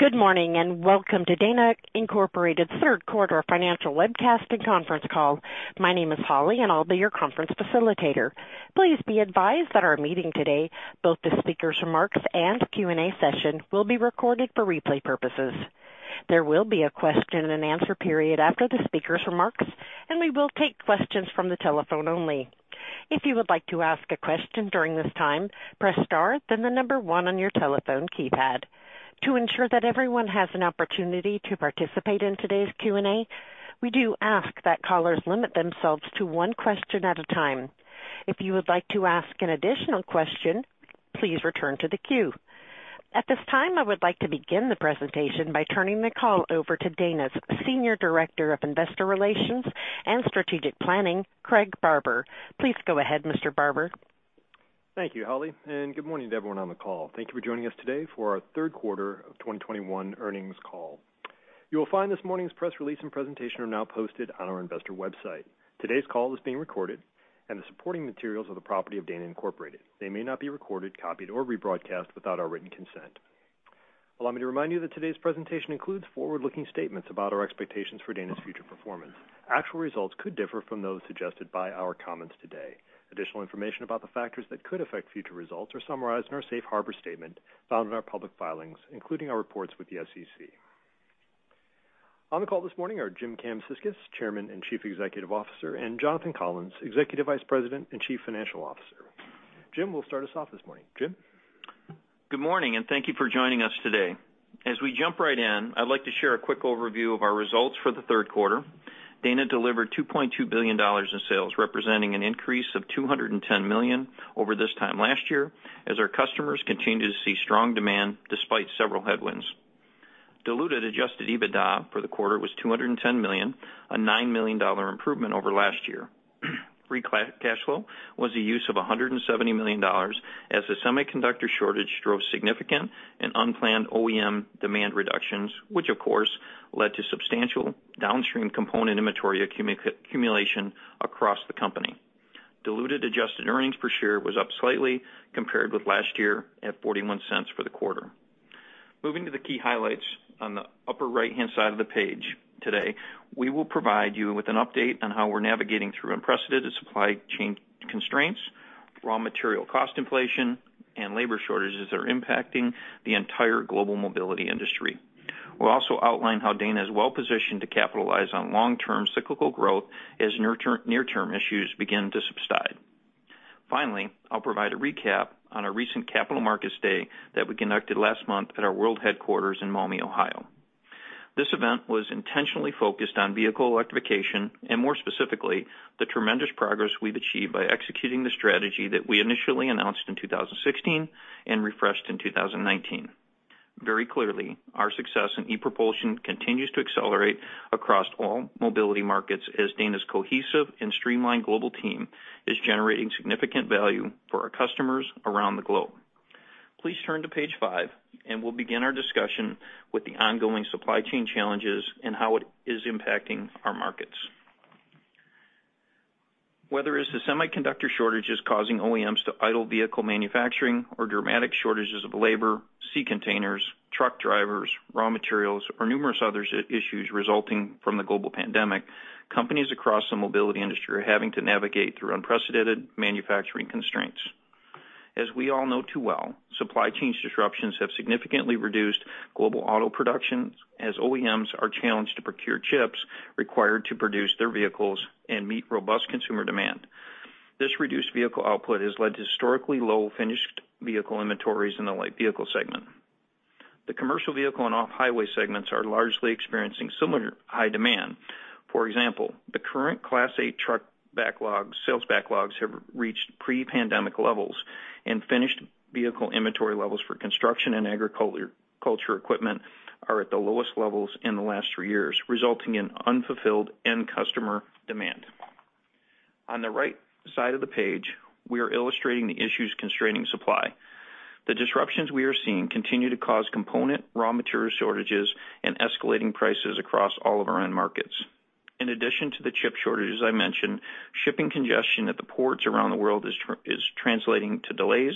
Good morning, and welcome to Dana Incorporated's Third Quarter Financial Webcast and Conference Call. My name is Holly, and I'll be your conference facilitator. Please be advised that our meeting today, both the speaker's remarks and Q&A session, will be recorded for replay purposes. There will be a question-and-answer period after the speaker's remarks, and we will take questions from the telephone only. If you would like to ask a question during this time, press star, then the number one on your telephone keypad. To ensure that everyone has an opportunity to participate in today's Q&A, we do ask that callers limit themselves to one question at a time. If you would like to ask an additional question, please return to the queue. At this time, I would like to begin the presentation by turning the call over to Dana's Senior Director of Investor Relations and Strategic Planning, Craig Barber. Please go ahead, Mr. Barber. Thank you, Holly, and good morning to everyone on the call. Thank you for joining us today for our third quarter of 2021 earnings call. You will find this morning's press release and presentation are now posted on our investor website. Today's call is being recorded and the supporting materials are the property of Dana Incorporated. They may not be recorded, copied, or rebroadcast without our written consent. Allow me to remind you that today's presentation includes forward-looking statements about our expectations for Dana's future performance. Actual results could differ from those suggested by our comments today. Additional information about the factors that could affect future results are summarized in our safe harbor statement found in our public filings, including our reports with the SEC. On the call this morning are Jim Kamsickas, Chairman and Chief Executive Officer, and Jonathan Collins, Executive Vice President and Chief Financial Officer. Jim will start us off this morning. Jim? Good morning, and thank you for joining us today. As we jump right in, I'd like to share a quick overview of our results for the third quarter. Dana delivered $2.2 billion in sales, representing an increase of $210 million over this time last year as our customers continue to see strong demand despite several headwinds. Diluted Adjusted EBITDA for the quarter was $210 million, a $9 million improvement over last year. Free cash flow was a use of $170 million as the semiconductor shortage drove significant and unplanned OEM demand reductions, which of course led to substantial downstream component inventory accumulation across the company. Diluted adjusted earnings per share was up slightly compared with last year at $0.41 for the quarter. Moving to the key highlights on the upper right-hand side of the page today, we will provide you with an update on how we're navigating through unprecedented supply chain constraints, raw material cost inflation, and labor shortages that are impacting the entire global mobility industry. We'll also outline how Dana is well-positioned to capitalize on long-term cyclical growth as near-term issues begin to subside. Finally, I'll provide a recap on our recent Capital Markets Day that we conducted last month at our world headquarters in Maumee, Ohio. This event was intentionally focused on vehicle electrification and more specifically, the tremendous progress we've achieved by executing the strategy that we initially announced in 2016 and refreshed in 2019. Very clearly, our success in e-Propulsion continues to accelerate across all mobility markets as Dana's cohesive and streamlined global team is generating significant value for our customers around the globe. Please turn to page five, and we'll begin our discussion with the ongoing supply chain challenges and how it is impacting our markets. Whether it's the semiconductor shortages causing OEMs to idle vehicle manufacturing or dramatic shortages of labor, sea containers, truck drivers, raw materials, or numerous other issues resulting from the global pandemic, companies across the mobility industry are having to navigate through unprecedented manufacturing constraints. As we all know too well, supply chain disruptions have significantly reduced global auto production as OEMs are challenged to procure chips required to produce their vehicles and meet robust consumer demand. This reduced vehicle output has led to historically low finished vehicle inventories in the light vehicle segment. The commercial vehicle and off-highway segments are largely experiencing similar high demand. For example, the current Class 8 truck backlogs, sales backlogs have reached pre-pandemic levels, and finished vehicle inventory levels for construction and agriculture equipment are at the lowest levels in the last three years, resulting in unfulfilled end customer demand. On the right side of the page, we are illustrating the issues constraining supply. The disruptions we are seeing continue to cause component, raw material shortages and escalating prices across all of our end markets. In addition to the chip shortages I mentioned, shipping congestion at the ports around the world is translating to delays,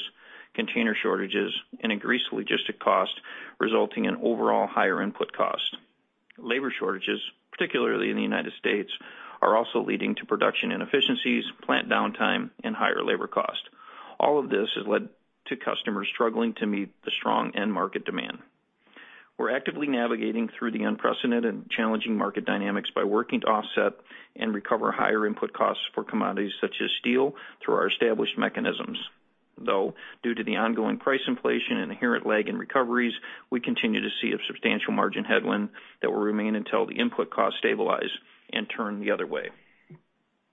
container shortages, and increased logistic cost, resulting in overall higher input cost. Labor shortages, particularly in the United States, are also leading to production inefficiencies, plant downtime, and higher labor cost. All of this has led to customers struggling to meet the strong end market demand. We're actively navigating through the unprecedented challenging market dynamics by working to offset and recover higher input costs for commodities such as steel through our established mechanisms. Though, due to the ongoing price inflation and inherent lag in recoveries, we continue to see a substantial margin headwind that will remain until the input costs stabilize and turn the other way.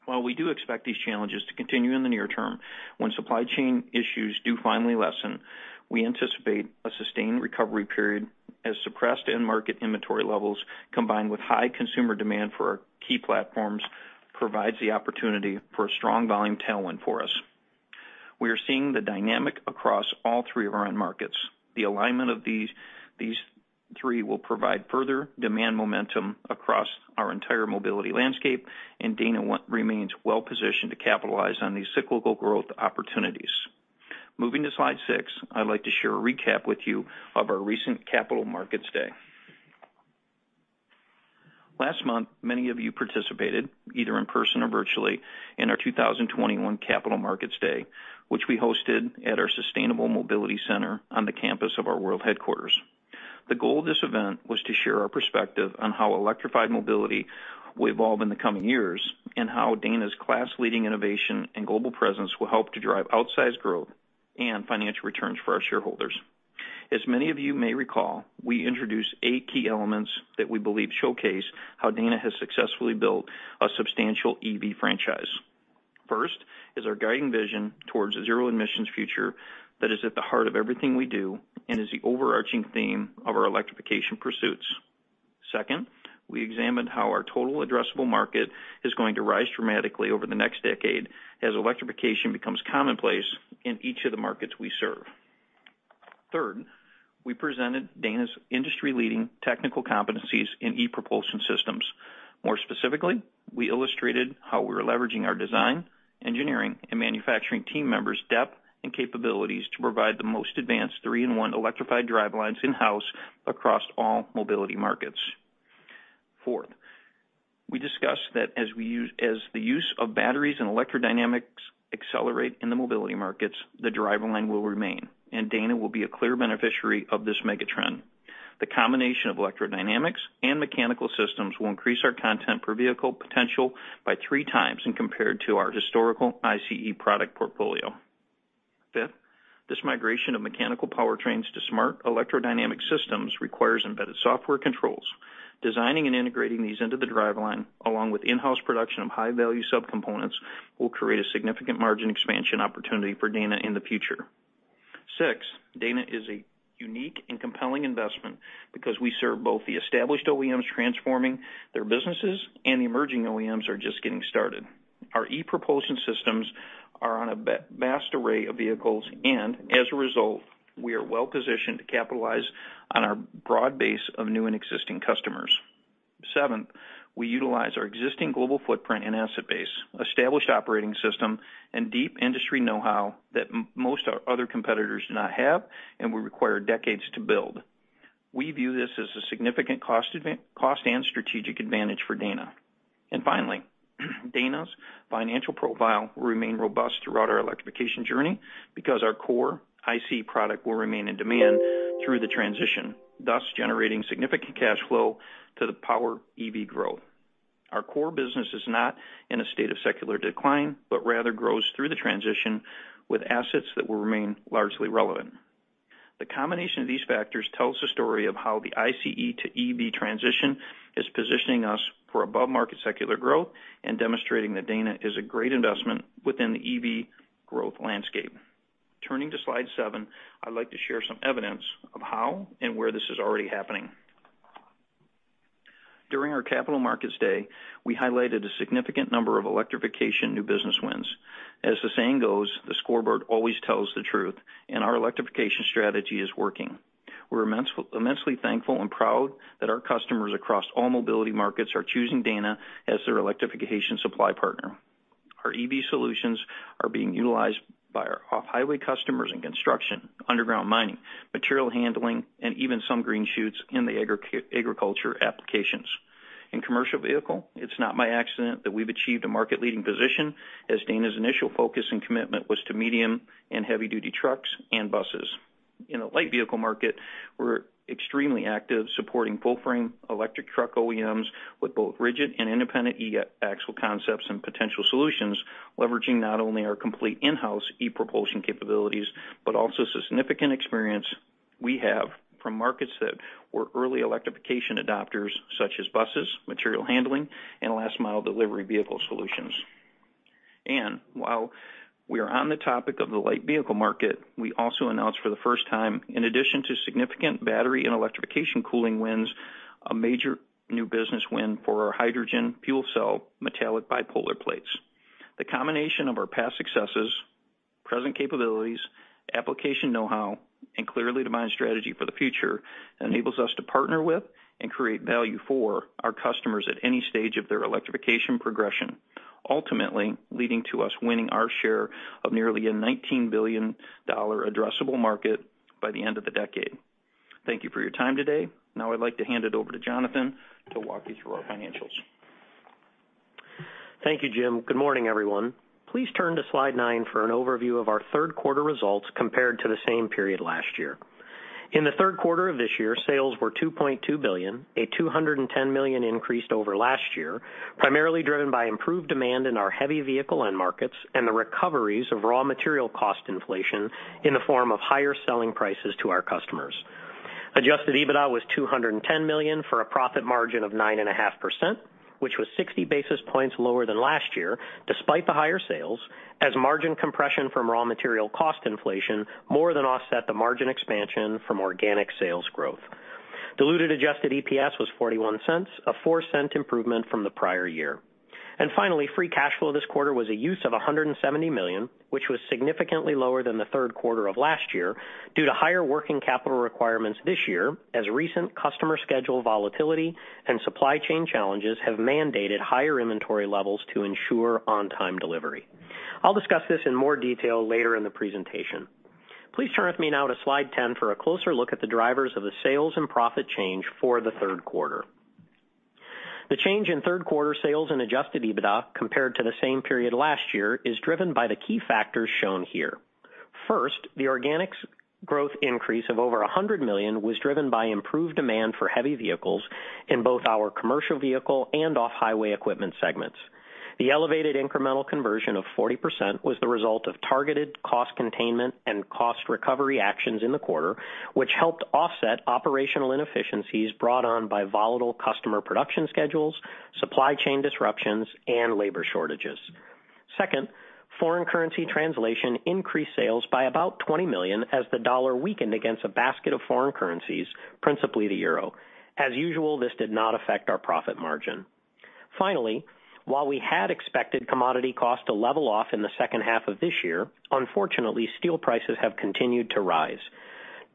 While we do expect these challenges to continue in the near term, when supply chain issues do finally lessen, we anticipate a sustained recovery period as suppressed end market inventory levels, combined with high consumer demand for our key platforms, provides the opportunity for a strong volume tailwind for us. We are seeing the dynamic across all three of our end markets. The alignment of these three will provide further demand momentum across our entire mobility landscape, and Dana remains well positioned to capitalize on these cyclical growth opportunities. Moving to slide six, I'd like to share a recap with you of our recent Capital Markets Day. Last month, many of you participated, either in person or virtually, in our 2021 Capital Markets Day, which we hosted at our Sustainable Mobility Center on the campus of our world headquarters. The goal of this event was to share our perspective on how electrified mobility will evolve in the coming years, and how Dana's class-leading innovation and global presence will help to drive outsized growth and financial returns for our shareholders. As many of you may recall, we introduced 8 key elements that we believe showcase how Dana has successfully built a substantial EV franchise. First is our guiding vision towards a zero emissions future that is at the heart of everything we do and is the overarching theme of our electrification pursuits. Second, we examined how our total addressable market is going to rise dramatically over the next decade as electrification becomes commonplace in each of the markets we serve. Third, we presented Dana's industry-leading technical competencies in e-Propulsion systems. More specifically, we illustrated how we're leveraging our design, engineering, and manufacturing team members' depth and capabilities to provide the most advanced three-in-one electrified drivelines in-house across all mobility markets. Fourth, we discussed that as the use of batteries and electrodynamics accelerate in the mobility markets, the driveline will remain, and Dana will be a clear beneficiary of this mega trend. The combination of electrodynamic and mechanical systems will increase our content per vehicle potential by 3x when compared to our historical ICE product portfolio. Fifth, this migration of mechanical powertrains to smart electrodynamic systems requires embedded software controls. Designing and integrating these into the driveline, along with in-house production of high-value subcomponents, will create a significant margin expansion opportunity for Dana in the future. Six, Dana is a unique and compelling investment because we serve both the established OEMs transforming their businesses and emerging OEMs are just getting started. Our e-Propulsion systems are on a vast array of vehicles, and as a result, we are well positioned to capitalize on our broad base of new and existing customers. Seventh, we utilize our existing global footprint and asset base, established operating system, and deep industry know-how that most of our other competitors do not have and would require decades to build. We view this as a significant cost and strategic advantage for Dana. Finally, Dana's financial profile will remain robust throughout our electrification journey because our core ICE product will remain in demand through the transition, thus generating significant cash flow to power EV growth. Our core business is not in a state of secular decline, but rather grows through the transition with assets that will remain largely relevant. The combination of these factors tells the story of how the ICE to EV transition is positioning us for above market secular growth and demonstrating that Dana is a great investment within the EV growth landscape. Turning to slide seven, I'd like to share some evidence of how and where this is already happening. During our Capital Markets Day, we highlighted a significant number of electrification new business wins. As the saying goes, the scoreboard always tells the truth, and our electrification strategy is working. We're immensely thankful and proud that our customers across all mobility markets are choosing Dana as their electrification supply partner. Our EV solutions are being utilized by our off-highway customers in construction, underground mining, material handling, and even some green shoots in the agriculture applications. In commercial vehicle, it's not by accident that we've achieved a market-leading position as Dana's initial focus and commitment was to medium and heavy-duty trucks and buses. In the light vehicle market, we're extremely active, supporting full frame electric truck OEMs with both rigid and independent e-Axle concepts and potential solutions, leveraging not only our complete in-house e-Propulsion capabilities, but also significant experience we have from markets that were early electrification adopters, such as buses, material handling, and last mile delivery vehicle solutions. While we are on the topic of the light vehicle market, we also announced for the first time, in addition to significant battery and electrification cooling wins, a major new business win for our hydrogen fuel cell metallic bipolar plates. The combination of our past successes, present capabilities, application know-how, and clear lead-to-mind strategy for the future enables us to partner with and create value for our customers at any stage of their electrification progression, ultimately leading to us winning our share of nearly a $19 billion addressable market by the end of the decade. Thank you for your time today. Now I'd like to hand it over to Jonathan to walk you through our financials. Thank you, Jim. Good morning, everyone. Please turn to slide nine for an overview of our third quarter results compared to the same period last year. In the third quarter of this year, sales were $2.2 billion, a $210 million increase over last year, primarily driven by improved demand in our heavy vehicle end markets and the recoveries of raw material cost inflation in the form of higher selling prices to our customers. Adjusted EBITDA was $210 million for a profit margin of 9.5%, which was 60 basis points lower than last year despite the higher sales, as margin compression from raw material cost inflation more than offset the margin expansion from organic sales growth. Diluted adjusted EPS was $0.41, a $0.04 improvement from the prior year. Finally, free cash flow this quarter was a use of $170 million, which was significantly lower than the third quarter of last year due to higher working capital requirements this year as recent customer schedule volatility and supply chain challenges have mandated higher inventory levels to ensure on-time delivery. I'll discuss this in more detail later in the presentation. Please turn with me now to slide 10 for a closer look at the drivers of the sales and profit change for the third quarter. The change in third quarter sales and Adjusted EBITDA compared to the same period last year is driven by the key factors shown here. First, the organic growth increase of over $100 million was driven by improved demand for heavy vehicles in both our commercial vehicle and off-highway equipment segments. The elevated incremental conversion of 40% was the result of targeted cost containment and cost recovery actions in the quarter, which helped offset operational inefficiencies brought on by volatile customer production schedules, supply chain disruptions, and labor shortages. Second, foreign currency translation increased sales by about $20 million as the dollar weakened against a basket of foreign currencies, principally the euro. As usual, this did not affect our profit margin. Finally, while we had expected commodity costs to level off in the second half of this year, unfortunately, steel prices have continued to rise.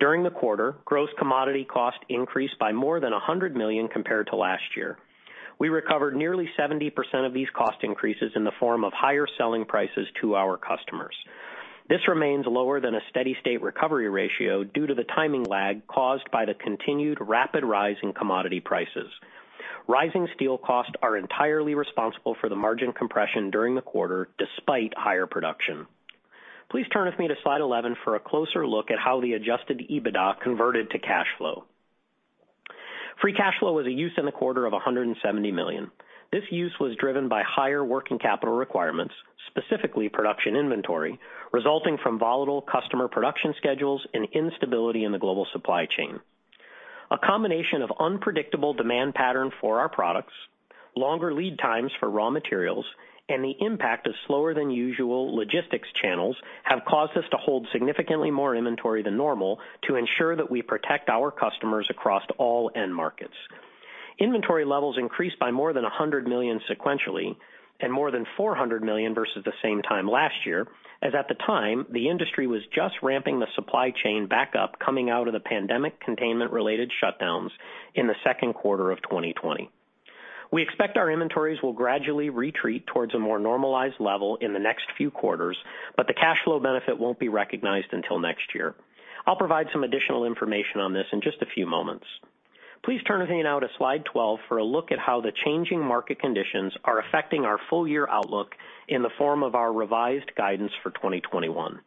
During the quarter, gross commodity cost increased by more than $100 million compared to last year. We recovered nearly 70% of these cost increases in the form of higher selling prices to our customers. This remains lower than a steady state recovery ratio due to the timing lag caused by the continued rapid rise in commodity prices. Rising steel costs are entirely responsible for the margin compression during the quarter, despite higher production. Please turn with me to slide 11 for a closer look at how the Adjusted EBITDA converted to cash flow. Free cash flow was a use in the quarter of $170 million. This use was driven by higher working capital requirements, specifically production inventory, resulting from volatile customer production schedules and instability in the global supply chain. A combination of unpredictable demand pattern for our products, longer lead times for raw materials, and the impact of slower than usual logistics channels have caused us to hold significantly more inventory than normal to ensure that we protect our customers across all end markets. Inventory levels increased by more than $100 million sequentially and more than $400 million versus the same time last year, as at the time, the industry was just ramping the supply chain back up coming out of the pandemic containment related shutdowns in the second quarter of 2020. We expect our inventories will gradually retreat towards a more normalized level in the next few quarters, but the cash flow benefit won't be recognized until next year. I'll provide some additional information on this in just a few moments. Please turn with me now to slide 12 for a look at how the changing market conditions are affecting our full year outlook in the form of our revised guidance for 2021.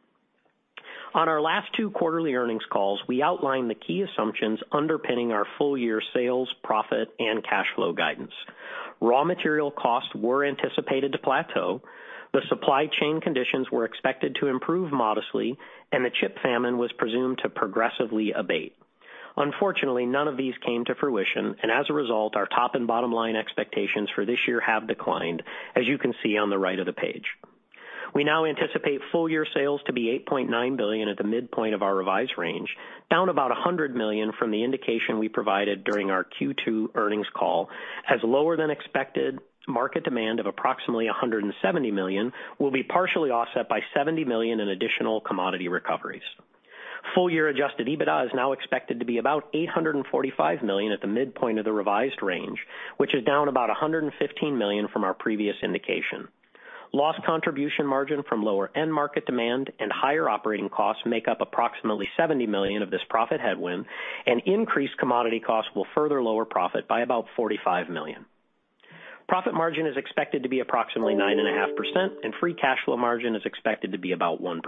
On our last two quarterly earnings calls, we outlined the key assumptions underpinning our full year sales, profit and cash flow guidance. Raw material costs were anticipated to plateau, the supply chain conditions were expected to improve modestly, and the chip famine was presumed to progressively abate. Unfortunately, none of these came to fruition, and as a result, our top and bottom line expectations for this year have declined, as you can see on the right of the page. We now anticipate full year sales to be $8.9 billion at the midpoint of our revised range, down about $100 million from the indication we provided during our Q2 earnings call, as lower than expected market demand of approximately $170 million will be partially offset by $70 million in additional commodity recoveries. Full year Adjusted EBITDA is now expected to be about $845 million at the midpoint of the revised range, which is down about $115 million from our previous indication. Lost contribution margin from lower end market demand and higher operating costs make up approximately $70 million of this profit headwind, and increased commodity costs will further lower profit by about $45 million. Profit margin is expected to be approximately 9.5%, and free cash flow margin is expected to be about 1%.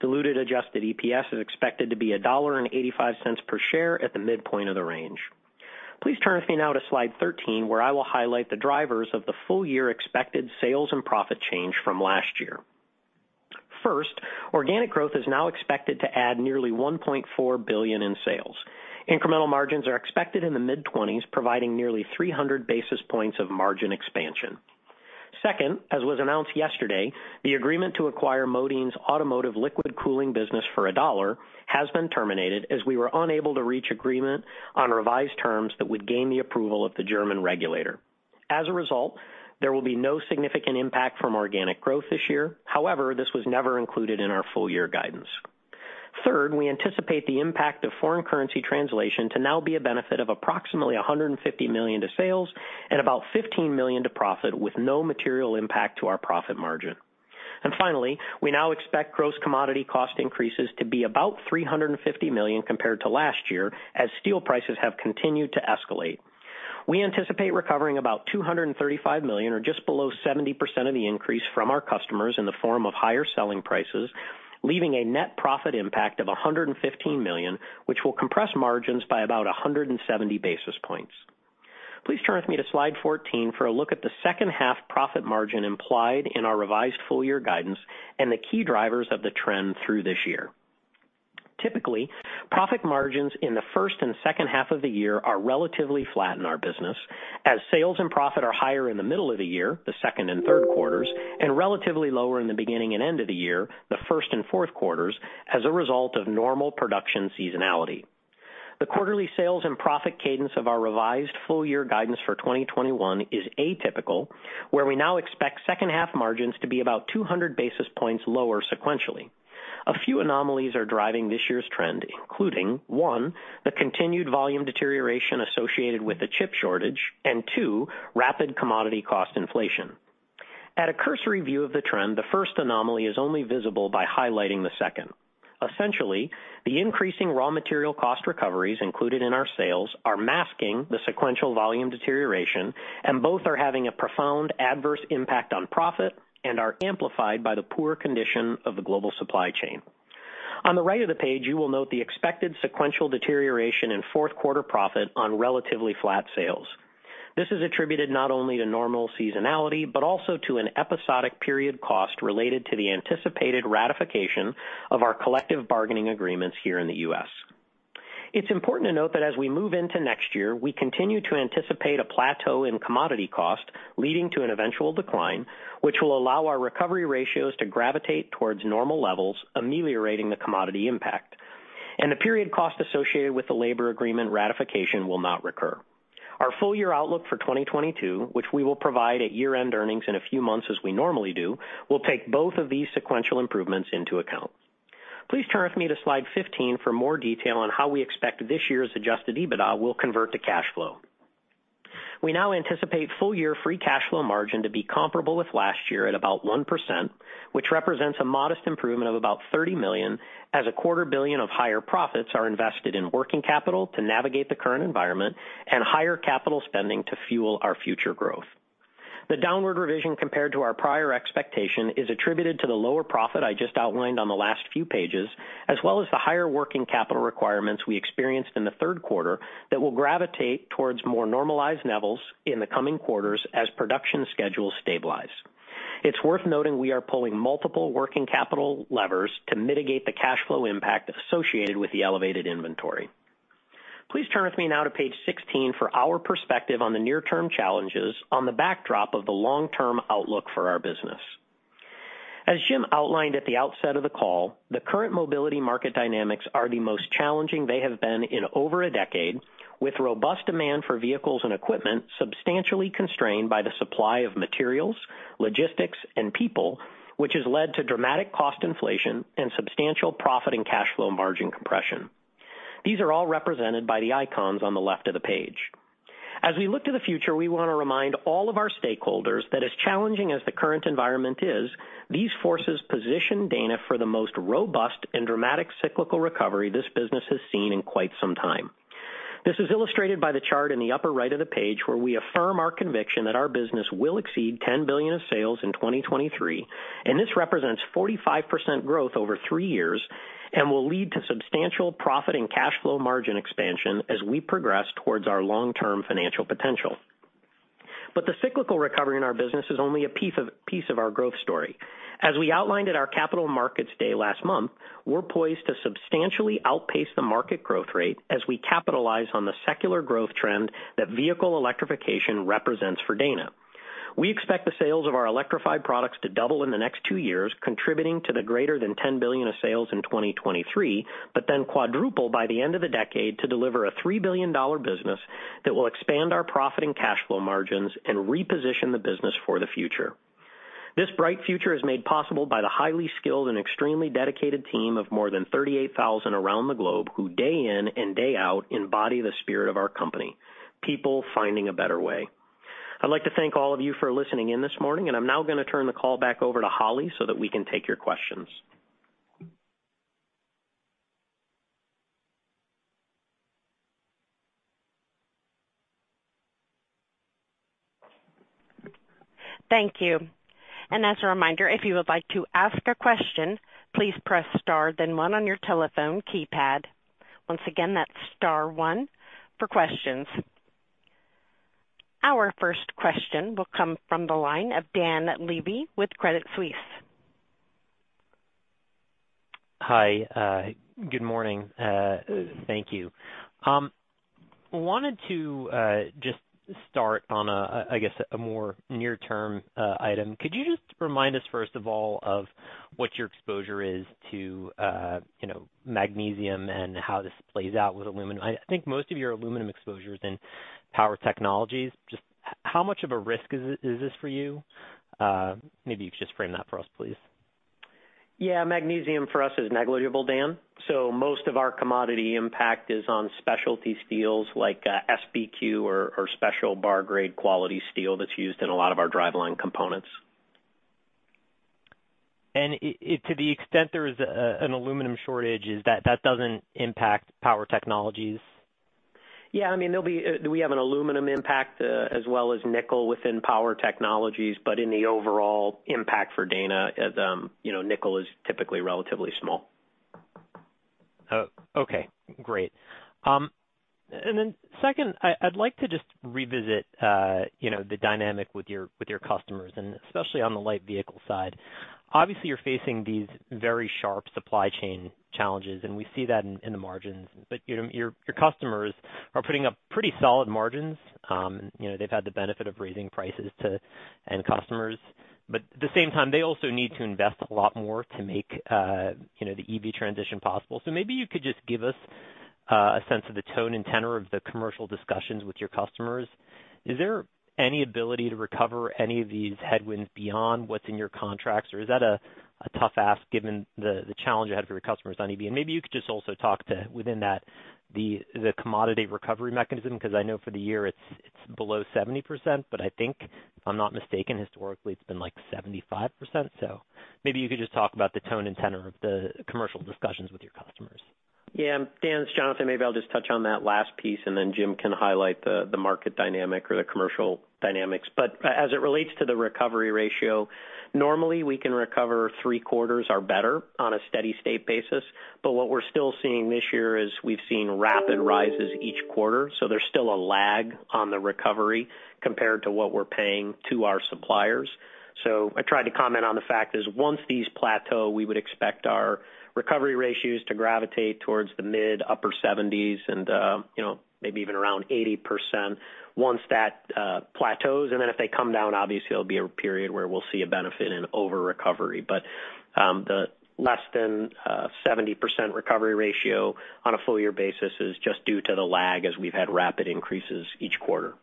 Diluted adjusted EPS is expected to be $1.85 per share at the midpoint of the range. Please turn with me now to slide 13, where I will highlight the drivers of the full year expected sales and profit change from last year. First, organic growth is now expected to add nearly $1.4 billion in sales. Incremental margins are expected in the mid-20%, providing nearly 300 basis points of margin expansion. Second, as was announced yesterday, the agreement to acquire Modine's Automotive Liquid Cooling business for $1 has been terminated as we were unable to reach agreement on revised terms that would gain the approval of the German regulator. As a result, there will be no significant impact from organic growth this year. However, this was never included in our full year guidance. Third, we anticipate the impact of foreign currency translation to now be a benefit of approximately $150 million to sales and about $15 million to profit with no material impact to our profit margin. Finally, we now expect gross commodity cost increases to be about $350 million compared to last year as steel prices have continued to escalate. We anticipate recovering about $235 million or just below 70% of the increase from our customers in the form of higher selling prices, leaving a net profit impact of $115 million, which will compress margins by about 170 basis points. Please turn with me to slide 14 for a look at the second half profit margin implied in our revised full year guidance and the key drivers of the trend through this year. Typically, profit margins in the first and second half of the year are relatively flat in our business as sales and profit are higher in the middle of the year, the second and third quarters, and relatively lower in the beginning and end of the year, the first and fourth quarters, as a result of normal production seasonality. The quarterly sales and profit cadence of our revised full year guidance for 2021 is atypical, where we now expect second half margins to be about 200 basis points lower sequentially. A few anomalies are driving this year's trend, including, one, the continued volume deterioration associated with the chip shortage, and two, rapid commodity cost inflation. At a cursory view of the trend, the first anomaly is only visible by highlighting the second. Essentially, the increasing raw material cost recoveries included in our sales are masking the sequential volume deterioration, and both are having a profound adverse impact on profit and are amplified by the poor condition of the global supply chain. On the right of the page, you will note the expected sequential deterioration in fourth quarter profit on relatively flat sales. This is attributed not only to normal seasonality, but also to an episodic period cost related to the anticipated ratification of our collective bargaining agreements here in the U.S. It's important to note that as we move into next year, we continue to anticipate a plateau in commodity cost leading to an eventual decline, which will allow our recovery ratios to gravitate towards normal levels, ameliorating the commodity impact. The period cost associated with the labor agreement ratification will not recur. Our full year outlook for 2022, which we will provide at year-end earnings in a few months, as we normally do, will take both of these sequential improvements into account. Please turn with me to slide 15 for more detail on how we expect this year's Adjusted EBITDA will convert to cash flow. We now anticipate full year free cash flow margin to be comparable with last year at about 1%, which represents a modest improvement of about $30 million, as a quarter billion of higher profits are invested in working capital to navigate the current environment and higher capital spending to fuel our future growth. The downward revision compared to our prior expectation is attributed to the lower profit I just outlined on the last few pages, as well as the higher working capital requirements we experienced in the third quarter that will gravitate towards more normalized levels in the coming quarters as production schedules stabilize. It's worth noting we are pulling multiple working capital levers to mitigate the cash flow impact associated with the elevated inventory. Please turn with me now to page 16 for our perspective on the near-term challenges on the backdrop of the long-term outlook for our business. As Jim outlined at the outset of the call, the current mobility market dynamics are the most challenging they have been in over a decade, with robust demand for vehicles and equipment substantially constrained by the supply of materials, logistics, and people, which has led to dramatic cost inflation and substantial profit and cash flow margin compression. These are all represented by the icons on the left of the page. As we look to the future, we wanna remind all of our stakeholders that as challenging as the current environment is, these forces position Dana for the most robust and dramatic cyclical recovery this business has seen in quite some time. This is illustrated by the chart in the upper right of the page, where we affirm our conviction that our business will exceed $10 billion in sales in 2023, and this represents 45% growth over three years and will lead to substantial profit and cash flow margin expansion as we progress towards our long-term financial potential. The cyclical recovery in our business is only a piece of our growth story. As we outlined at our Capital Markets Day last month, we're poised to substantially outpace the market growth rate as we capitalize on the secular growth trend that vehicle electrification represents for Dana. We expect the sales of our electrified products to double in the next two years, contributing to the greater than $10 billion of sales in 2023, but then quadruple by the end of the decade to deliver a $3 billion business that will expand our profit and cash flow margins and reposition the business for the future. This bright future is made possible by the highly skilled and extremely dedicated team of more than 38,000 around the globe who day in and day out embody the spirit of our company, people finding a better way. I'd like to thank all of you for listening in this morning, and I'm now gonna turn the call back over to Holly so that we can take your questions. Thank you. As a reminder, if you would like to ask a question, please press star then one on your telephone keypad. Once again, that's star one for questions. Our first question will come from the line of Dan Levy with Credit Suisse. Hi, good morning. Thank you. Wanted to just start on a, I guess, a more near-term item. Could you just remind us, first of all, of what your exposure is to, you know, magnesium and how this plays out with aluminum? I think most of your aluminum exposure is in Power Technologies. Just how much of a risk is this for you? Maybe you could just frame that for us, please. Yeah. Magnesium for us is negligible, Dan. So most of our commodity impact is on specialty steels like SBQ or special bar grade quality steel that's used in a lot of our driveline components. To the extent there is an aluminum shortage, is that doesn't impact Power Technologies? Yeah. I mean, we have an aluminum impact, as well as nickel within Power Technologies, but in the overall impact for Dana, as you know, nickel is typically relatively small. Oh, okay. Great. Then second, I'd like to just revisit, you know, the dynamic with your customers, and especially on the light vehicle side. Obviously, you're facing these very sharp supply chain challenges, and we see that in the margins. You know, your customers are putting up pretty solid margins. You know, they've had the benefit of raising prices to end customers. At the same time, they also need to invest a lot more to make, you know, the EV transition possible. Maybe you could just give us a sense of the tone and tenor of the commercial discussions with your customers. Is there any ability to recover any of these headwinds beyond what's in your contracts? Or is that a tough ask given the challenge you had for your customers on EV? Maybe you could just also talk to within that the commodity recovery mechanism, 'cause I know for the year it's below 70%, but I think if I'm not mistaken, historically it's been like 75%. Maybe you could just talk about the tone and tenor of the commercial discussions with your customers. Yeah. Dan, it's Jonathan. Maybe I'll just touch on that last piece, and then Jim can highlight the market dynamic or the commercial dynamics. As it relates to the recovery ratio, normally we can recover 75% or better on a steady state basis. What we're still seeing this year is we've seen rapid rises each quarter, so there's still a lag on the recovery compared to what we're paying to our suppliers. I tried to comment on the fact is once these plateau, we would expect our recovery ratios to gravitate towards the mid-upper 70% and, you know, maybe even around 80% once that plateaus. If they come down, obviously there'll be a period where we'll see a benefit in over-recovery. The less than 70% recovery ratio on a full year basis is just due to the lag as we've had rapid increases each quarter.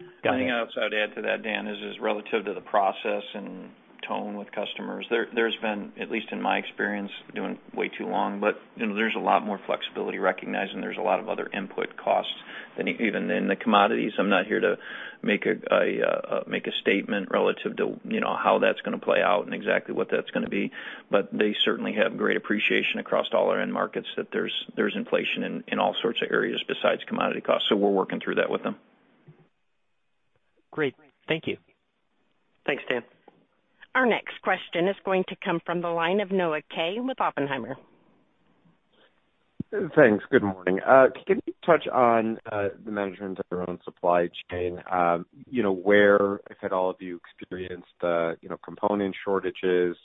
Got it. The only thing else I'd add to that, Dan, is relative to the process and tone with customers. There's been, at least in my experience doing way too long, but, you know, there's a lot more flexibility recognizing there's a lot of other input costs than even in the commodities. I'm not here to make a statement relative to, you know, how that's gonna play out and exactly what that's gonna be. But they certainly have great appreciation across all our end markets that there's inflation in all sorts of areas besides commodity costs, so we're working through that with them. Great. Thank you. Thanks, Dan. Our next question is going to come from the line of Noah Kaye with Oppenheimer. Thanks. Good morning. Can you touch on the management of your own supply chain? You know, where, if at all, have you experienced the component shortages,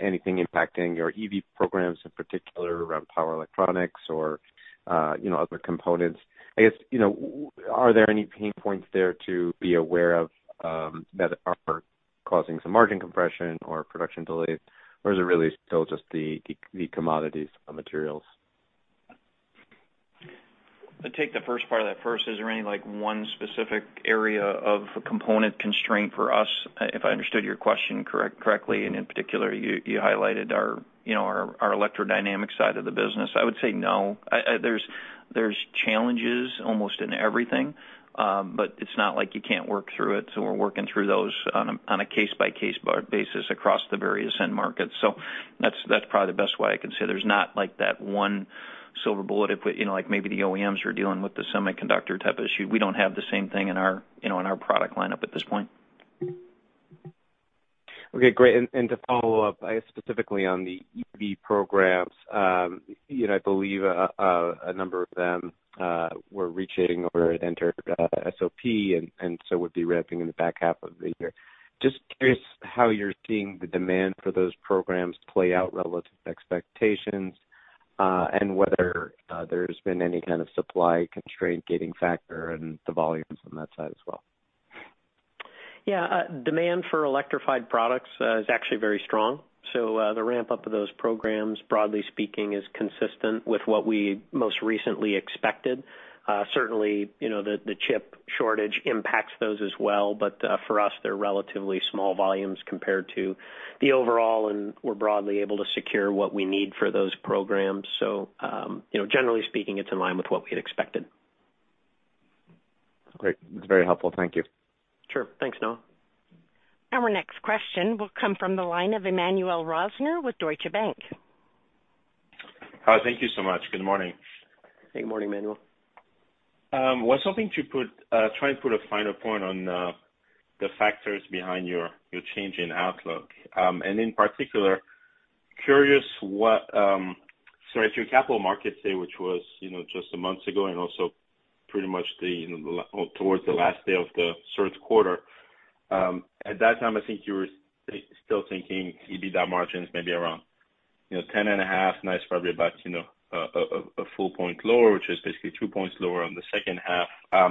anything impacting your EV programs in particular around power electronics or you know, other components? I guess, you know, are there any pain points there to be aware of that are causing some margin compression or production delays, or is it really still just the commodities materials? I'll take the first part of that first. Is there any like one specific area of component constraint for us? If I understood your question correctly, and in particular you highlighted our, you know, our electrodynamic side of the business, I would say no. There's challenges almost in everything, but it's not like you can't work through it. We're working through those on a case-by-case basis across the various end markets. That's probably the best way I can say. There's not like that one silver bullet, you know, like maybe the OEMs are dealing with the semiconductor type issue. We don't have the same thing in our, you know, in our product lineup at this point. Okay, great. To follow up, I guess specifically on the EV programs, you know, I believe a number of them were reaching or entered SOP and so would be ramping in the back half of the year. Just curious how you're seeing the demand for those programs play out relative to expectations, and whether there's been any kind of supply constraint gating factor and the volumes on that side as well. Yeah. Demand for electrified products is actually very strong. The ramp up of those programs, broadly speaking, is consistent with what we most recently expected. Certainly, you know, the chip shortage impacts those as well, but for us, they're relatively small volumes compared to the overall, and we're broadly able to secure what we need for those programs. You know, generally speaking, it's in line with what we'd expected. Great. That's very helpful. Thank you. Sure. Thanks, Noah. Our next question will come from the line of Emmanuel Rosner with Deutsche Bank. Hi, thank you so much. Good morning. Good morning, Emmanuel. Was hoping to try and put a finer point on the factors behind your change in outlook. In particular, curious what. At your Capital Markets Day, which was, you know, just a month ago, and also pretty much the, you know, towards the last day of the third quarter, at that time, I think you were still thinking EBITDA margins maybe around, you know, 10.5%, now it's probably about, you know, a full point lower, which is basically two points lower on the second half.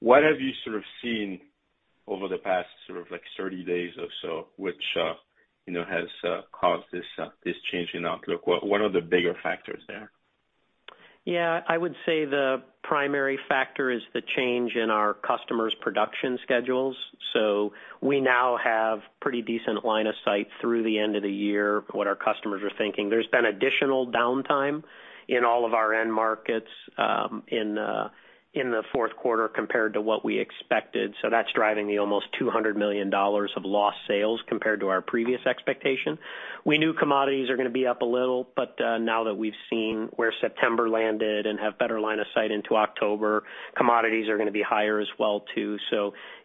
What have you sort of seen over the past sort of like 30 days or so, which, you know, has caused this change in outlook? What are the bigger factors there? Yeah. I would say the primary factor is the change in our customers' production schedules. We now have pretty decent line of sight through the end of the year, what our customers are thinking. There's been additional downtime in all of our end markets, in the fourth quarter compared to what we expected, so that's driving the almost $200 million of lost sales compared to our previous expectation. We knew commodities are gonna be up a little, but now that we've seen where September landed and have better line of sight into October, commodities are gonna be higher as well too.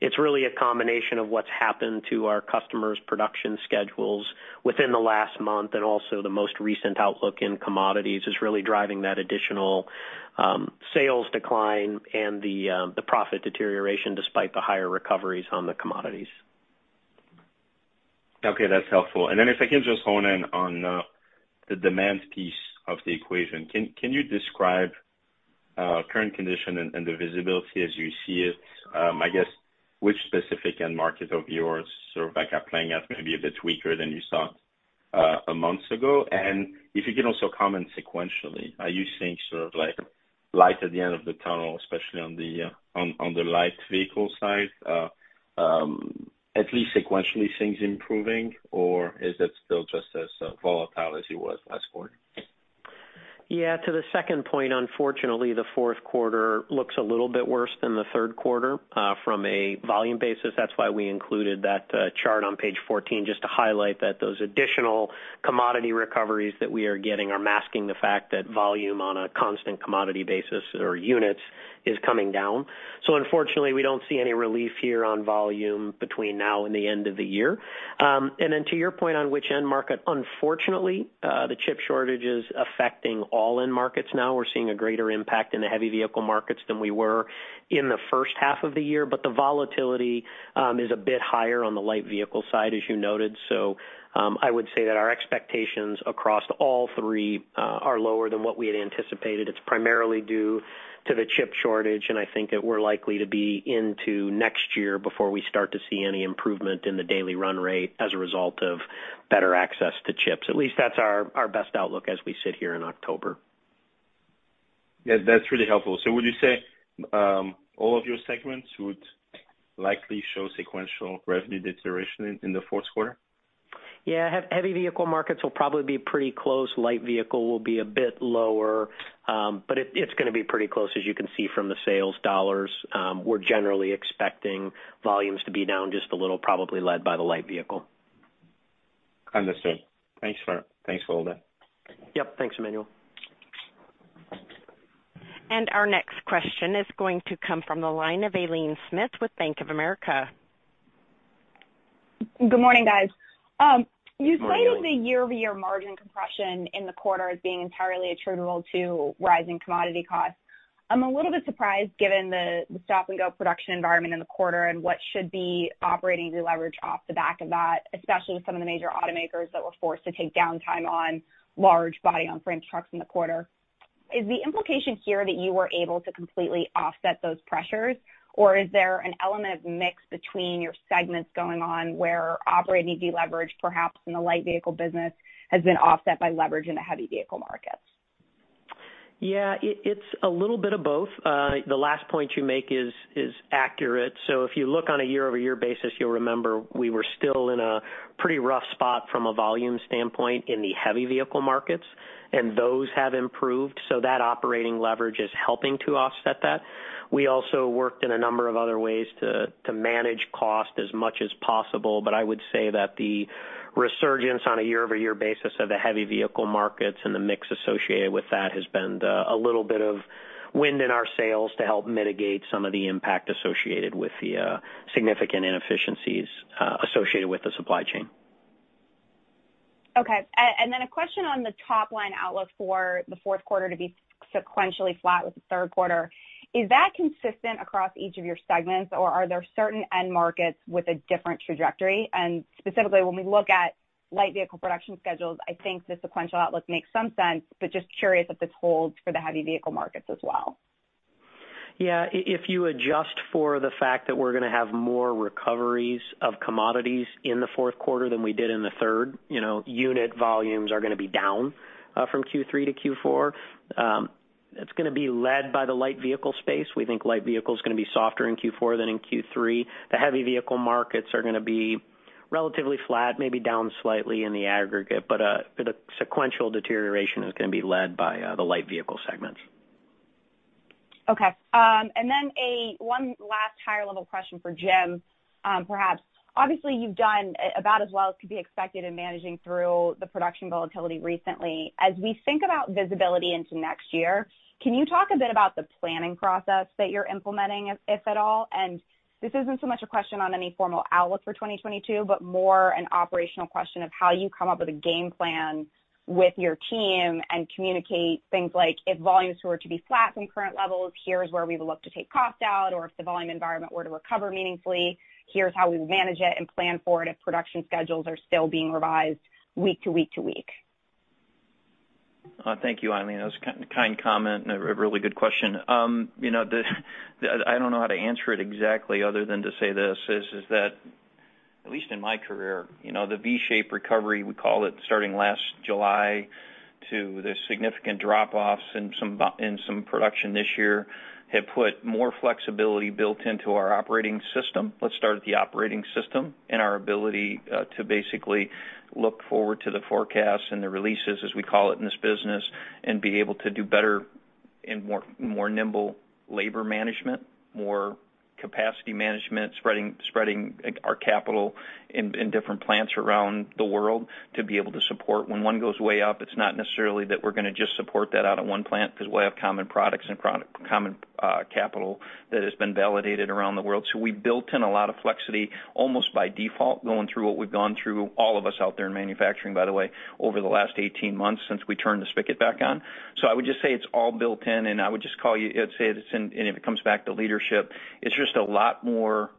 It's really a combination of what's happened to our customers' production schedules within the last month and also the most recent outlook in commodities is really driving that additional sales decline and the profit deterioration despite the higher recoveries on the commodities. Okay, that's helpful. If I can just hone in on the demand piece of the equation. Can you describe current condition and the visibility as you see it? I guess which specific end market of yours sort of like are playing out maybe a bit weaker than you thought a month ago? If you can also comment sequentially, are you seeing sort of like light at the end of the tunnel, especially on the light vehicle side? At least sequentially things improving or is it still just as volatile as it was last quarter? Yeah, to the second point, unfortunately the fourth quarter looks a little bit worse than the third quarter from a volume basis. That's why we included that chart on page 14 just to highlight that those additional commodity recoveries that we are getting are masking the fact that volume on a constant commodity basis or units is coming down. Unfortunately, we don't see any relief here on volume between now and the end of the year. And then to your point on which end market, unfortunately the chip shortage is affecting all end markets now. We're seeing a greater impact in the heavy vehicle markets than we were in the first half of the year. The volatility is a bit higher on the light vehicle side, as you noted. I would say that our expectations across all three are lower than what we had anticipated. It's primarily due to the chip shortage, and I think that we're likely to be into next year before we start to see any improvement in the daily run rate as a result of better access to chips. At least that's our best outlook as we sit here in October. Yeah, that's really helpful. Would you say all of your segments would likely show sequential revenue deterioration in the fourth quarter? Yeah. Heavy vehicle markets will probably be pretty close. Light vehicle will be a bit lower. It's gonna be pretty close as you can see from the sales dollars. We're generally expecting volumes to be down just a little, probably led by the light vehicle. Understood. Thanks for all that. Yep. Thanks, Emmanuel. Our next question is going to come from the line of Aileen Smith with Bank of America. Good morning, guys. Good morning, Aileen. You say the year-over-year margin compression in the quarter is being entirely attributable to rising commodity costs. I'm a little bit surprised given the stop-and-go production environment in the quarter and what should be operating leverage off the back of that, especially with some of the major automakers that were forced to take downtime on large body-on-frame trucks in the quarter. Is the implication here that you were able to completely offset those pressures, or is there an element of mix between your segments going on where operating deleverage perhaps in the light vehicle business has been offset by leverage in the heavy vehicle markets? Yeah. It's a little bit of both. The last point you make is accurate. If you look on a year-over-year basis, you'll remember we were still in a pretty rough spot from a volume standpoint in the heavy vehicle markets, and those have improved. That operating leverage is helping to offset that. We also worked in a number of other ways to manage cost as much as possible. I would say that the resurgence on a year-over-year basis of the heavy vehicle markets and the mix associated with that has been a little bit of wind in our sails to help mitigate some of the impact associated with the significant inefficiencies associated with the supply chain. Okay. A question on the top line outlook for the fourth quarter to be sequentially flat with the third quarter. Is that consistent across each of your segments or are there certain end markets with a different trajectory? Specifically when we look at light vehicle production schedules, I think the sequential outlook makes some sense, but just curious if this holds for the heavy vehicle markets as well. Yeah. If you adjust for the fact that we're gonna have more recoveries of commodities in the fourth quarter than we did in the third, you know, unit volumes are gonna be down from Q3 to Q4. It's gonna be led by the light vehicle space. We think light vehicle's gonna be softer in Q4 than in Q3. The heavy vehicle markets are gonna be relatively flat, maybe down slightly in the aggregate, but a sequential deterioration is gonna be led by the light vehicle segments. Okay. One last higher level question for Jim, perhaps. Obviously you've done about as well as could be expected in managing through the production volatility recently. As we think about visibility into next year, can you talk a bit about the planning process that you're implementing, if at all? This isn't so much a question on any formal outlook for 2022, but more an operational question of how you come up with a game plan with your team and communicate things like if volumes were to be flat in current levels, here's where we will look to take cost out or if the volume environment were to recover meaningfully, here's how we manage it and plan for it if production schedules are still being revised week to week. Thank you, Aileen. That was kind comment and a really good question. You know, I don't know how to answer it exactly other than to say this is that at least in my career, you know, the V-shape recovery we call it starting last July to the significant drop-offs in some business in some production this year have put more flexibility built into our operating system. Let's start at the operating system and our ability to basically look forward to the forecast and the releases as we call it in this business, and be able to do better and more nimble labor management, more capacity management, spreading like our capital in different plants around the world to be able to support. When one goes way up, it's not necessarily that we're gonna just support that out of one plant because we have common products and common capital that has been validated around the world. We built in a lot of flexibility almost by default going through what we've gone through, all of us out there in manufacturing by the way, over the last 18 months since we turned the spigot back on. I would just say it's all built in and I would just say it's in and it comes back to leadership. It's just a lot more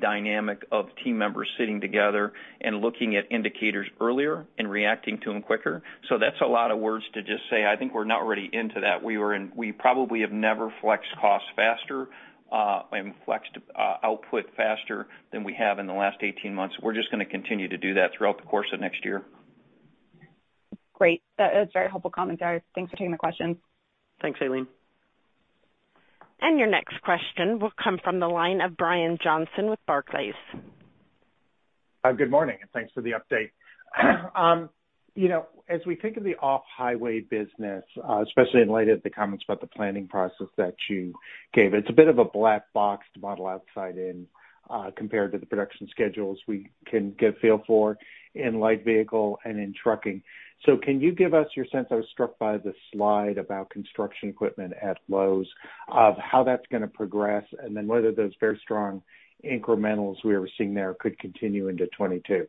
dynamic of team members sitting together and looking at indicators earlier and reacting to them quicker. That's a lot of words to just say I think we're not already into that. We probably have never flexed costs faster, and flexed output faster than we have in the last 18 months. We're just gonna continue to do that throughout the course of next year. Great. That is very helpful commentary. Thanks for taking the question. Thanks, Aileen. Your next question will come from the line of Brian Johnson with Barclays. Good morning, thanks for the update. You know, as we think of the off-highway business, especially in light of the comments about the planning process that you gave, it's a bit of a black box to model outside in, compared to the production schedules we can get a feel for in light vehicle and in trucking. Can you give us your sense? I was struck by the slide about construction equipment at lows of how that's gonna progress, and then whether those very strong incrementals we were seeing there could continue into 2022.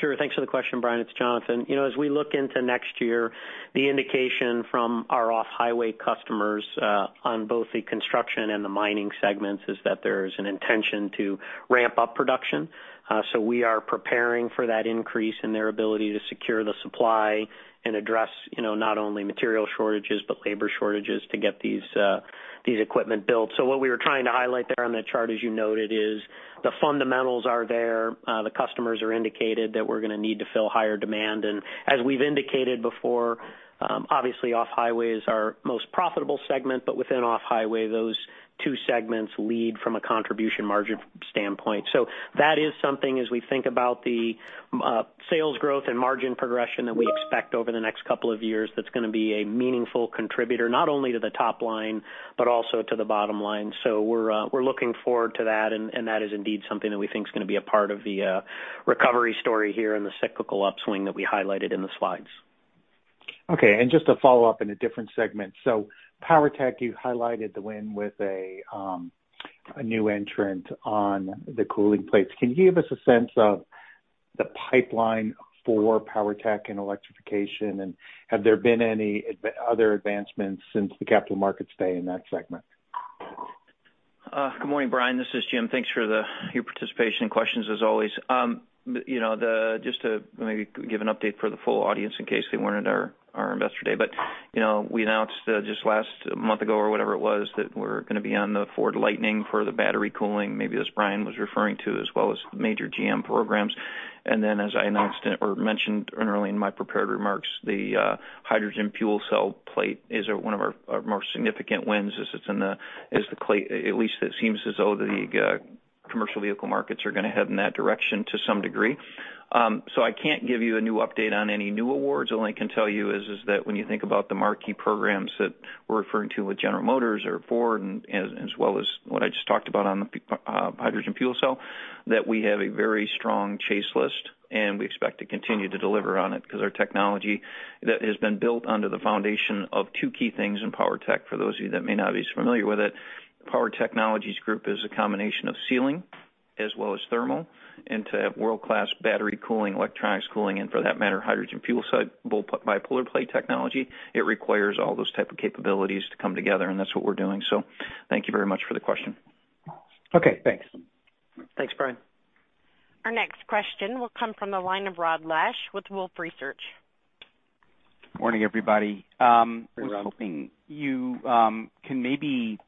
Sure. Thanks for the question, Brian. It's Jonathan. You know, as we look into next year, the indication from our off-highway customers on both the construction and the mining segments is that there's an intention to ramp up production. We are preparing for that increase in their ability to secure the supply and address, you know, not only material shortages, but labor shortages to get these equipment built. What we were trying to highlight there on that chart, as you noted, is the fundamentals are there. The customers have indicated that we're gonna need to fill higher demand. As we've indicated before, obviously off-highway is our most profitable segment, but within off-highway, those two segments lead from a contribution margin standpoint. That is something, as we think about the sales growth and margin progression that we expect over the next couple of years, that's gonna be a meaningful contributor, not only to the top line, but also to the bottom line. We're looking forward to that, and that is indeed something that we think is gonna be a part of the recovery story here and the cyclical upswing that we highlighted in the slides. Okay. Just to follow up in a different segment. Power Tech, you highlighted the win with a new entrant on the cooling plates. Can you give us a sense of the pipeline for Power Tech and electrification? Have there been any other advancements since the Capital Markets Day in that segment? Good morning, Brian. This is Jim. Thanks for your participation and questions as always. You know, just to maybe give an update for the full audience in case they weren't at our investor day. You know, we announced just last month ago or whatever it was that we're gonna be on the Ford Lightning for the battery cooling, maybe as Brian was referring to, as well as major GM programs. Then as I announced or mentioned earlier in my prepared remarks, the hydrogen fuel cell bipolar plate is one of our more significant wins. At least it seems as though the commercial vehicle markets are gonna head in that direction to some degree. I can't give you a new update on any new awards. All I can tell you is that when you think about the marquee programs that we're referring to with General Motors or Ford and as well as what I just talked about on the hydrogen fuel cell, that we have a very strong chase list, and we expect to continue to deliver on it because our technology that has been built under the foundation of two key things in Power Tech, for those of you that may not be as familiar with it. Power Technologies Group is a combination of sealing as well as thermal. To have world-class battery cooling, electronics cooling, and for that matter, hydrogen fuel cell bipolar plate technology, it requires all those type of capabilities to come together, and that's what we're doing. Thank you very much for the question. Okay, thanks. Thanks, Brian. Our next question will come from the line of Rod Lache with Wolfe Research. Morning, everybody. I was hoping you can maybe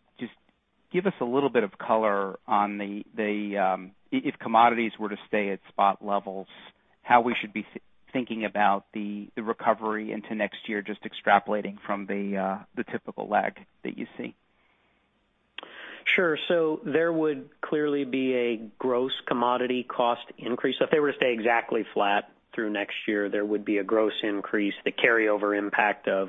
just give us a little bit of color on the if commodities were to stay at spot levels, how we should be thinking about the recovery into next year, just extrapolating from the typical lag that you see. Sure. There would clearly be a gross commodity cost increase. If they were to stay exactly flat through next year, there would be a gross increase, the carryover impact of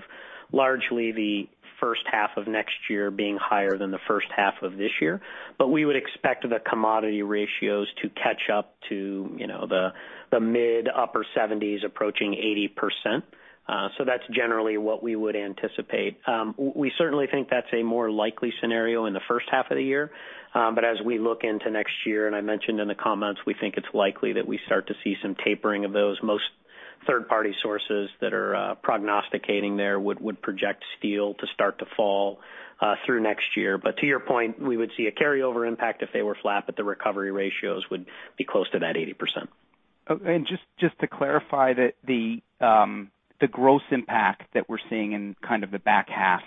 largely the first half of next year being higher than the first half of this year. We would expect the commodity ratios to catch up to, you know, the mid upper 70% approaching 80%. That's generally what we would anticipate. We certainly think that's a more likely scenario in the first half of the year. As we look into next year, and I mentioned in the comments, we think it's likely that we start to see some tapering of those most third-party sources that are prognosticating there would project steel to start to fall through next year. To your point, we would see a carryover impact if they were flat, but the recovery ratios would be close to that 80%. Just to clarify that the gross impact that we're seeing in kind of the back half,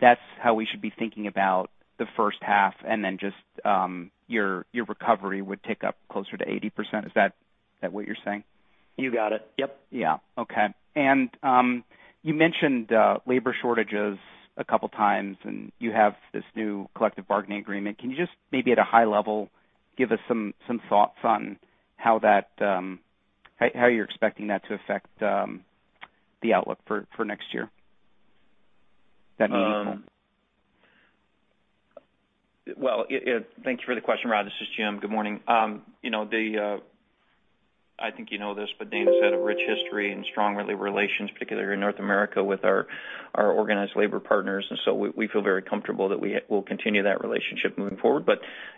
that's how we should be thinking about the first half, and then just your recovery would tick up closer to 80%. Is that what you're saying? You got it. Yep. Yeah. Okay. You mentioned labor shortages a couple times, and you have this new collective bargaining agreement. Can you just maybe at a high level give us some thoughts on how you're expecting that to affect the outlook for next year? If that'd be helpful. Thank you for the question, Rod. This is Jim. Good morning. You know, I think you know this, but Dana has a rich history and strong labor relations, particularly in North America with our organized labor partners. We feel very comfortable that we'll continue that relationship moving forward.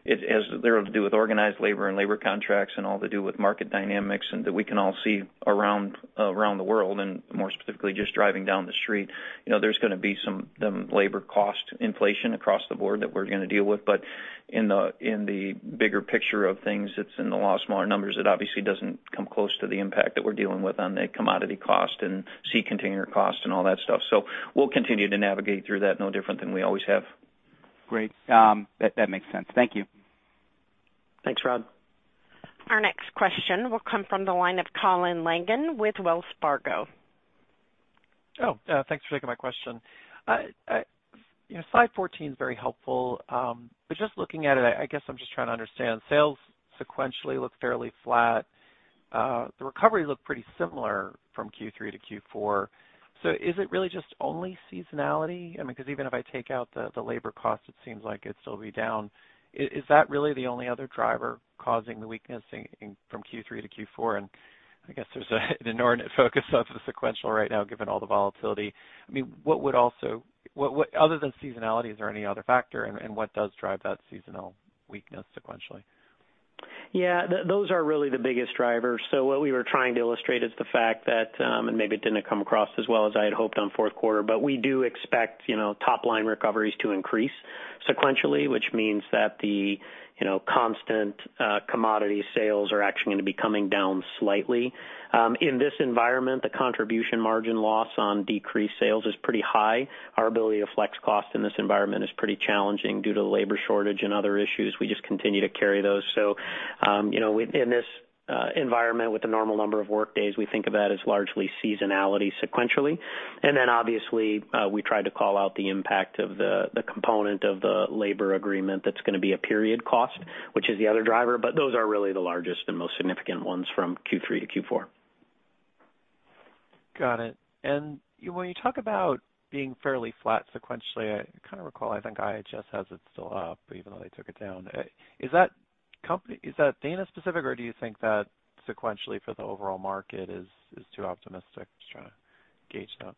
It has little to do with organized labor and labor contracts and all to do with market dynamics and that we can all see around the world, and more specifically, just driving down the street. You know, there's gonna be some labor cost inflation across the board that we're gonna deal with. In the bigger picture of things, it's a lot of smaller numbers that obviously doesn't come close to the impact that we're dealing with on the commodity cost and sea container cost and all that stuff. We'll continue to navigate through that, no different than we always have. Great. That makes sense. Thank you. Thanks, Rod. Our next question will come from the line of Colin Langan with Wells Fargo. Thanks for taking my question. You know, slide 14 is very helpful. But just looking at it, I guess I'm just trying to understand. Sales sequentially look fairly flat. The recovery looked pretty similar from Q3 to Q4. Is it really just only seasonality? I mean, because even if I take out the labor cost, it seems like it'd still be down. Is that really the only other driver causing the weakness from Q3 to Q4? I guess there's an inordinate focus on sequential right now, given all the volatility. I mean, what other than seasonality is there any other factor, and what does drive that seasonal weakness sequentially? Yeah, those are really the biggest drivers. What we were trying to illustrate is the fact that, and maybe it didn't come across as well as I had hoped on fourth quarter, but we do expect, you know, top line recoveries to increase sequentially, which means that the, you know, constant commodity sales are actually gonna be coming down slightly. In this environment, the contribution margin loss on decreased sales is pretty high. Our ability to flex cost in this environment is pretty challenging due to the labor shortage and other issues. We just continue to carry those. In this environment with the normal number of workdays, we think of that as largely seasonality sequentially. Obviously, we try to call out the impact of the component of the labor agreement that's gonna be a period cost, which is the other driver, but those are really the largest and most significant ones from Q3 to Q4. Got it. When you talk about being fairly flat sequentially, I kind of recall, I think IHS has it still up, even though they took it down. Is that Dana specific, or do you think that sequentially for the overall market is too optimistic? Just trying to gauge that.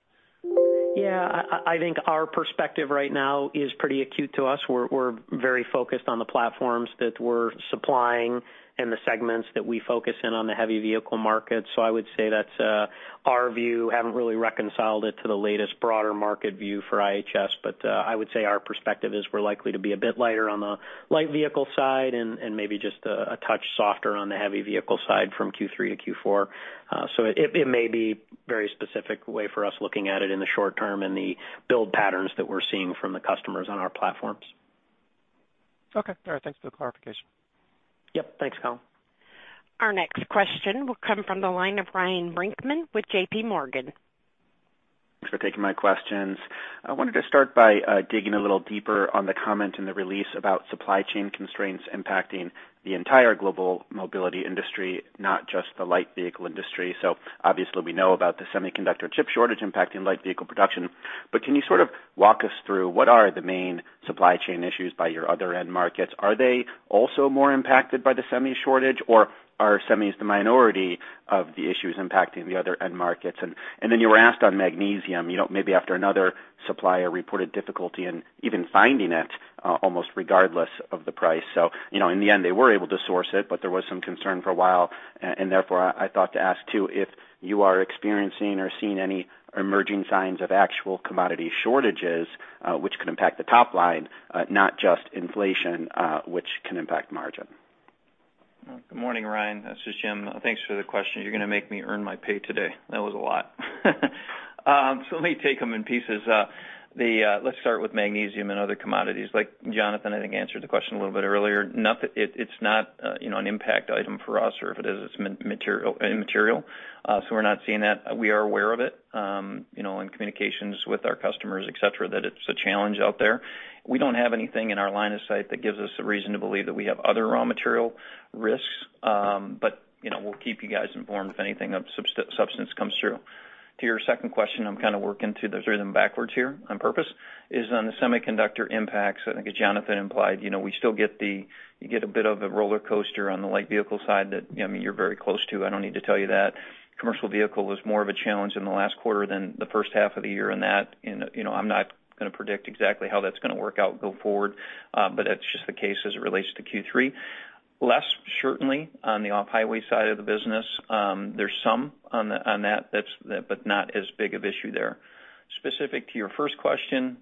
Yeah. I think our perspective right now is pretty acute to us. We're very focused on the platforms that we're supplying and the segments that we focus in on the heavy vehicle market. I would say that's our view. I haven't really reconciled it to the latest broader market view for IHS, but I would say our perspective is we're likely to be a bit lighter on the light vehicle side and maybe just a touch softer on the heavy vehicle side from Q3 to Q4. It may be a very specific way for us looking at it in the short term and the build patterns that we're seeing from the customers on our platforms. Okay. All right. Thanks for the clarification. Yep. Thanks, Colin. Our next question will come from the line of Ryan Brinkman with JPMorgan. Thanks for taking my questions. I wanted to start by digging a little deeper on the comment in the release about supply chain constraints impacting the entire global mobility industry, not just the light vehicle industry. Obviously we know about the semiconductor chip shortage impacting light vehicle production, but can you sort of walk us through what are the main supply chain issues by your other end markets? Are they also more impacted by the semi shortage, or are semis the minority of the issues impacting the other end markets? And then you were asked on magnesium, you know, maybe after another supplier reported difficulty in even finding it almost regardless of the price. You know, in the end, they were able to source it, but there was some concern for a while. Therefore I thought to ask, too, if you are experiencing or seeing any emerging signs of actual commodity shortages, which could impact the top line, not just inflation, which can impact margin. Good morning, Ryan. This is Jim. Thanks for the question. You're gonna make me earn my pay today. That was a lot. So let me take them in pieces. Let's start with magnesium and other commodities. Like Jonathan, I think, answered the question a little bit earlier. It, it's not, you know, an impact item for us, or if it is, it's immaterial. So we're not seeing that. We are aware of it, you know, in communications with our customers, et cetera, that it's a challenge out there. We don't have anything in our line of sight that gives us a reason to believe that we have other raw material risks. But, you know, we'll keep you guys informed if anything of substance comes through. To your second question, I'm kind of working through those rhythm backwards here on purpose, is on the semiconductor impacts. I think as Jonathan implied, you know, we still get you get a bit of a roller coaster on the light vehicle side that, you know, I mean, you're very close to. I don't need to tell you that. Commercial vehicle was more of a challenge in the last quarter than the first half of the year, and that, you know, I'm not gonna predict exactly how that's gonna work out go forward, but that's just the case as it relates to Q3. Less certainly on the off-highway side of the business. There's some on that, but not as big of issue there. Specific to your first question,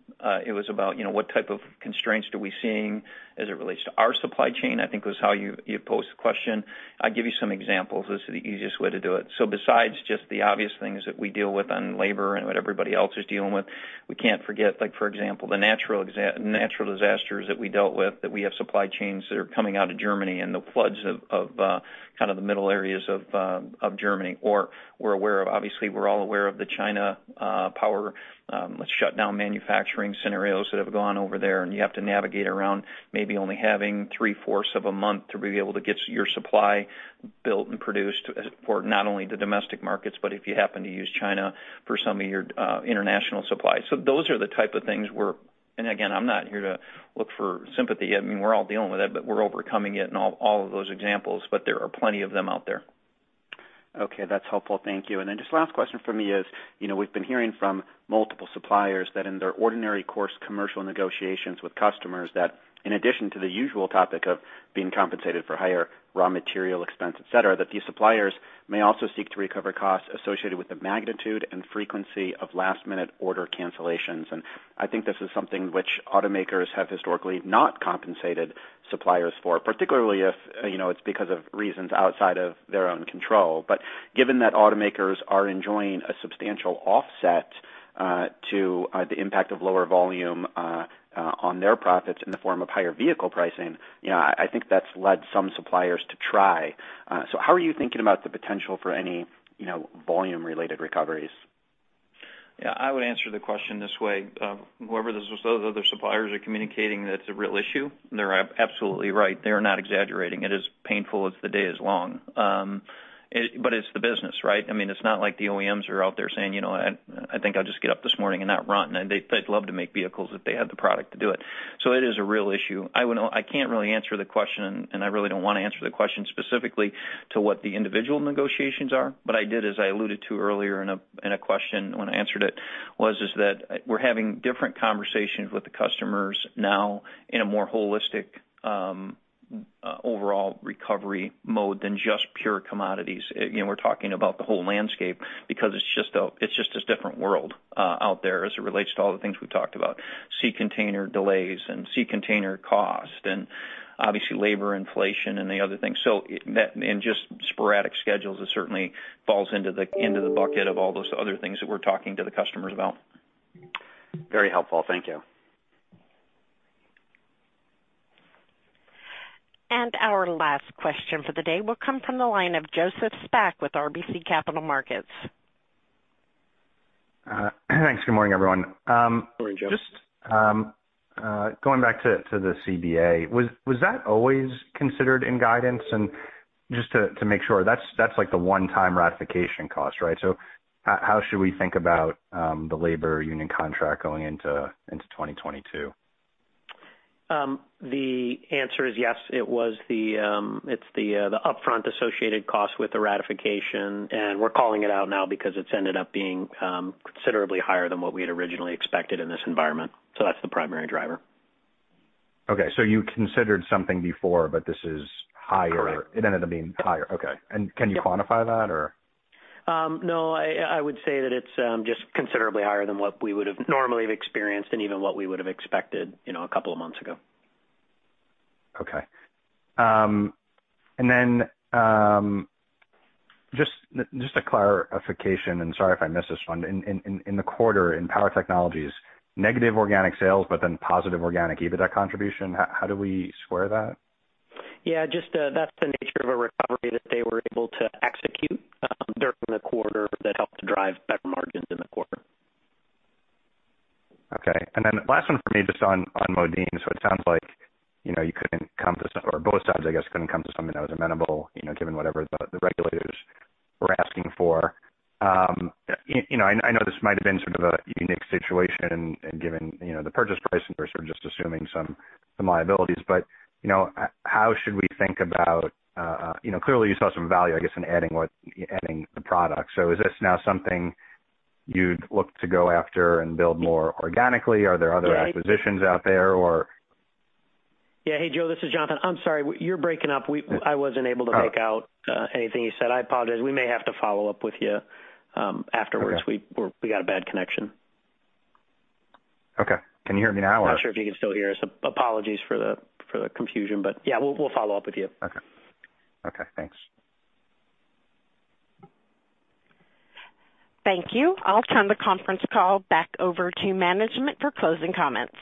it was about, you know, what type of constraints are we seeing as it relates to our supply chain, I think was how you posed the question. I'll give you some examples. This is the easiest way to do it. Besides just the obvious things that we deal with on labor and what everybody else is dealing with, we can't forget, like, for example, the natural disasters that we dealt with, that we have supply chains that are coming out of Germany and the floods of kind of the middle areas of Germany, or we're aware of. Obviously, we're all aware of the China power shutdown manufacturing scenarios that have gone over there, and you have to navigate around maybe only having three-fourths of a month to be able to get your supply built and produced for not only the domestic markets, but if you happen to use China for some of your international supply. Those are the type of things. Again, I'm not here to look for sympathy. I mean, we're all dealing with it, but we're overcoming it and all of those examples, but there are plenty of them out there. Okay, that's helpful. Thank you. Then just last question from me is, you know, we've been hearing from multiple suppliers that in their ordinary course commercial negotiations with customers that in addition to the usual topic of being compensated for higher raw material expense, et cetera, that these suppliers may also seek to recover costs associated with the magnitude and frequency of last minute order cancellations. I think this is something which automakers have historically not compensated suppliers for, particularly if, you know, it's because of reasons outside of their own control. Given that automakers are enjoying a substantial offset to the impact of lower volume on their profits in the form of higher vehicle pricing, you know, I think that's led some suppliers to try. How are you thinking about the potential for any, you know, volume related recoveries? Yeah, I would answer the question this way. Whoever this was, those other suppliers are communicating that it's a real issue, and they're absolutely right. They're not exaggerating. It is painful as the day is long. But it's the business, right? I mean, it's not like the OEMs are out there saying, "You know, I think I'll just get up this morning and not run." They'd love to make vehicles if they had the product to do it. So it is a real issue. I would... I can't really answer the question, and I really don't wanna answer the question specifically to what the individual negotiations are, but I did, as I alluded to earlier in a question when I answered it, is that we're having different conversations with the customers now in a more holistic, overall recovery mode than just pure commodities. Again, we're talking about the whole landscape because it's just this different world out there as it relates to all the things we've talked about, sea container delays and sea container cost, and obviously labor inflation and the other things. So, that and just sporadic schedules, it certainly falls into the bucket of all those other things that we're talking to the customers about. Very helpful. Thank you. Our last question for the day will come from the line of Joseph Spak with RBC Capital Markets. Thanks. Good morning, everyone. Good morning, Joe. Just going back to the CBA. Was that always considered in guidance? Just to make sure, that's like the one-time ratification cost, right? How should we think about the labor union contract going into 2022? The answer is yes. It's the upfront associated cost with the ratification, and we're calling it out now because it's ended up being considerably higher than what we had originally expected in this environment. That's the primary driver. Okay. You considered something before, but this is higher. Correct. It ended up being higher. Okay. Yep. Can you quantify that or? No, I would say that it's just considerably higher than what we would have normally experienced and even what we would have expected, you know, a couple of months ago. Okay. Just a clarification, and sorry if I missed this one. In the quarter in Power Technologies, negative organic sales but then positive organic EBITDA contribution. How do we square that? Yeah, just, that's the nature of a recovery that they were able to execute, during the quarter that helped to drive better margins in the quarter. Okay. Last one for me, just on Modine. It sounds like, you know, you couldn't come to or both sides, I guess, couldn't come to something that was amenable, you know, given whatever the regulators were asking for. You know, I know this might have been sort of a unique situation and given, you know, the purchase price and you're sort of just assuming some liabilities. You know, how should we think about, you know, clearly you saw some value, I guess, in adding the product. Is this now something you'd look to go after and build more organically? Yeah. Are there other acquisitions out there or? Yeah. Hey, Joe, this is Jonathan. I'm sorry. You're breaking up. I wasn't able to make out- Oh. Anything you said. I apologize. We may have to follow up with you, afterwards. Okay. We got a bad connection. Okay. Can you hear me now or? I'm not sure if you can still hear us. Apologies for the confusion, but yeah, we'll follow up with you. Okay. Okay, thanks. Thank you. I'll turn the conference call back over to management for closing comments.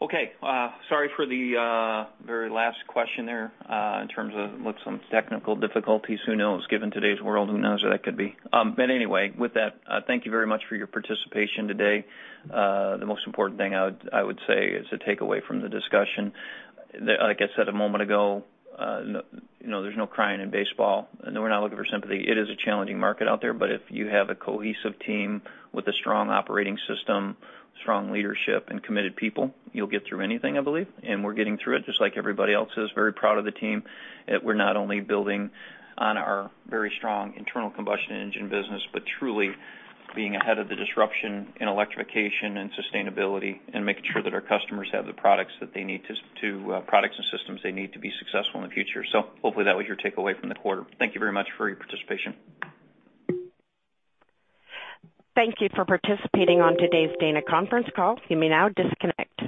Okay. Sorry for the very last question there, some technical difficulties. Who knows? Given today's world, who knows who that could be. Anyway, with that, thank you very much for your participation today. The most important thing I would say is to take away from the discussion. Like I said a moment ago, you know, there's no crying in baseball, and we're not looking for sympathy. It is a challenging market out there, but if you have a cohesive team with a strong operating system, strong leadership, and committed people, you'll get through anything, I believe. We're getting through it just like everybody else is. very proud of the team that we're not only building on our very strong internal combustion engine business, but truly being ahead of the disruption in electrification and sustainability and making sure that our customers have the products and systems they need to be successful in the future. Hopefully that was your takeaway from the quarter. Thank you very much for your participation. Thank you for participating on today's Dana conference call. You may now disconnect.